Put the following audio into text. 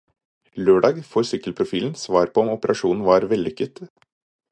Lørdag får sykkelprofilen svar på om operasjonen var vellykket.